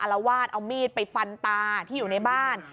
ละวาดเอามีดไปฟันตาที่อยู่ในบ้าน